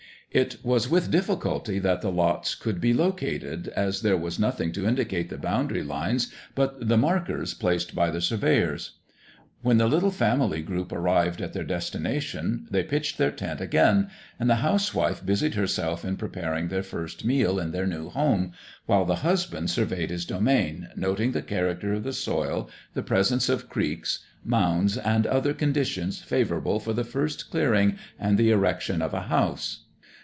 It was with difficulty that the lots could be located, as there was nothing to indicate the boundary lines but the "markers" placed by the surveyors. When the little family group arrived at their destination, they pitched their tent again, and the housewife busied herself in preparing their first meal in their new home, while the husband surveyed his domain, noting the character of the soil, the presence of creeks, mounds, and other conditions favourable for the first clearing and the erection of a house.